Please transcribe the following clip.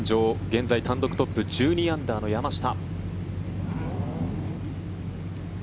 現在単独トップ１２アンダーの山下。